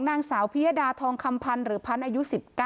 นางสาวพิยดาทองคำพันธ์หรือพันธ์อายุ๑๙